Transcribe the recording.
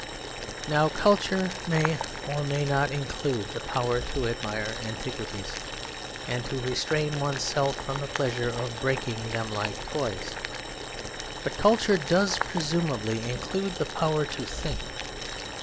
Now culture may or may not include the power to admire antiquities, and to restrain oneself from the pleasure of breaking them like toys. But culture does, presumably, include the power to think.